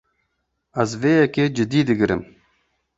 Ez vê yekê cidî digirim.